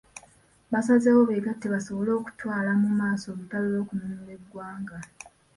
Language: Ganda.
Basazewo beegatte basobole okutwala mu maaso olutalo lw'okununula eggwanga.